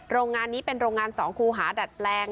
โรงงานนี้เป็นโรงงาน๒คูหาดัดแปลง